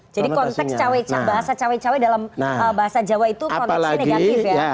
jadi konteks bahasa cawi cawi dalam bahasa jawa itu konteksnya negatif ya